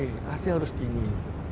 lampu harus dingin